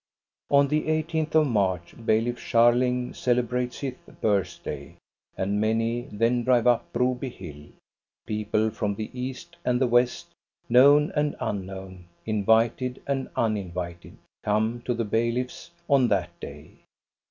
On the 1 8th of March Bailiff Scharling celebrates his birthday, and many then drive up Broby Hill. People from the east and the west, known and un known, invited and uninvited, come to the bailiff's on that day.